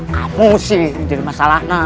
kamu sih yang jadi masalahnya